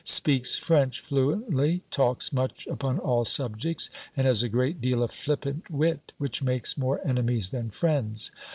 Speaks French fluently, talks much upon all subjects; and has a great deal of flippant wit, which makes more enemies than friends.